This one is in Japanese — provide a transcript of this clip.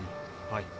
はい。